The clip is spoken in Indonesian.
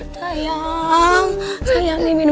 saat nanti ke sini